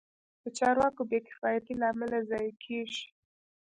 د چارواکو بې کفایتۍ له امله ضایع کېږي.